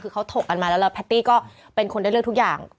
คือเขาถกกันมาแล้วแล้วแพตตี้ก็เป็นคนได้เลือกทุกอย่าง